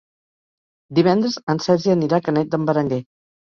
Divendres en Sergi anirà a Canet d'en Berenguer.